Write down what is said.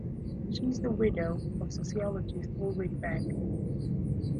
She is the widow of sociologist Ulrich Beck.